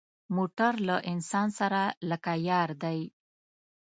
موټر له انسان سره لکه یار دی.